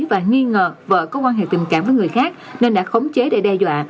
và nghi ngờ vợ có quan hệ tình cảm với người khác nên đã khống chế để đe dọa